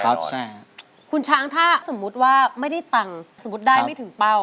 ใช่ครับคุณช้างถ้าสมมุติว่าไม่ได้ตังค์สมมุติได้ไม่ถึงเป้า